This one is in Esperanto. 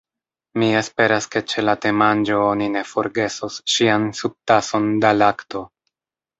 Mi esperas ke ĉe la temanĝo oni ne forgesos ŝian subtason da lakto.